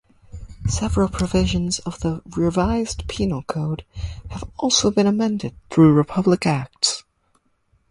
Several provisions of the Revised Penal Code have also been amended through Republic Acts.